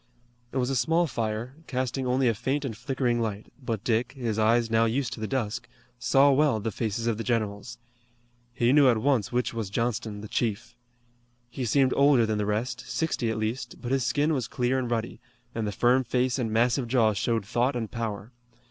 It was a small fire, casting only a faint and flickering light, but Dick, his eyes now used to the dusk, saw well the faces of the generals. He knew at once which was Johnston, the chief. He seemed older than the rest, sixty at least, but his skin was clear and ruddy, and the firm face and massive jaw showed thought and power.